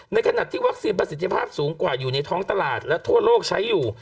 ในขณะที่วัคซีนประสิทธิภาพสูงกว่าอยู่ในท้องตลาดและทั่วโลกใช้อยู่